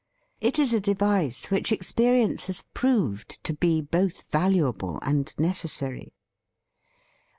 It is a device which experience has proved to be both valuable and necessary.